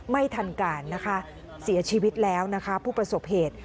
ไม่ทันการนะคะเสียชีวิตแล้วนะคะผู้ประสบเหตุ